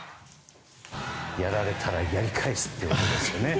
やられたらやり返すっていうことですよね。